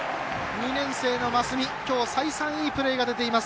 ２年生の増見きょう、再三いいプレーが出ています。